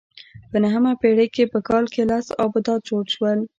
په نهمه پېړۍ کې په کال کې لس آبدات جوړ شول